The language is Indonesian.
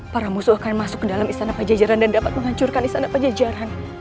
para musuh akan masuk ke dalam istana pajajaran dan dapat menghancurkan istana pajajaran